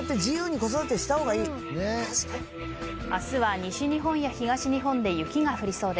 明日は西日本や東日本で雪が降りそうです。